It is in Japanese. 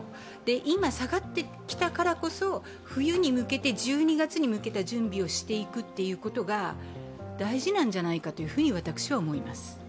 今、下がってきたからこそ冬に向けて、１２月に向けて準備をしていくことが大事なんじゃないかと私は思います。